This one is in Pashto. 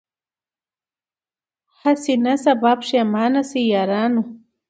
هسي نه سبا پښېمانه سی یارانو